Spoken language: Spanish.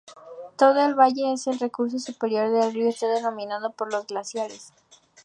Todo el valle, en el curso superior del río, está dominado por los glaciares.